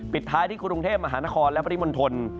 ปิดท้ายที่กรุงเทพฯมหานครและปฏิมนต์ธนตร์